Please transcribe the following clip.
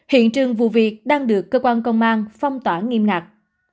hiện trường vụ việc đang được cơ quan công an phong tỏa nghiêm ngặt